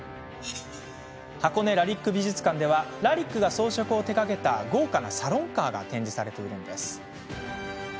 箱根ラリック美術館ではラリックが装飾を手がけた豪華なサロンカーが展示されているんです。